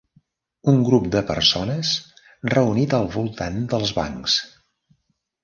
Un grup de persones reunit al voltant dels bancs.